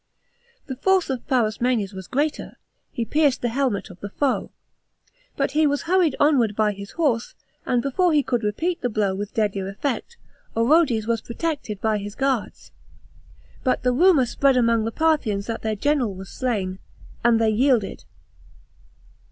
The force of Pharasmanes was greater; he pierced the helmet of the foe. But he was hurried onward by his horse, and before he could repent the blow with deadlier effect, Orodes was protected by his guards. But the rumour spread among the Parthians that their general was slain, and they yielded.